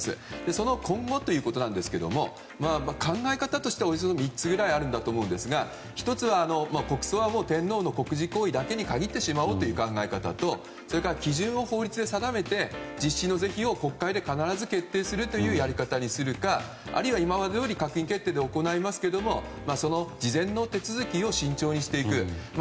その今後ということですが考え方としては３つぐらいあると思うんですが１つは国葬は天皇の国事行為だけに限ってしまおうという考え方とそれから基準を法律で定めて実施の是非を国会で必ず決定するというやり方にするかあるいは今までどおり閣議決定で行いますが事前の手続きを慎重にしていく。